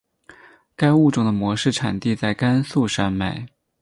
该物种的模式产地在甘肃山脉。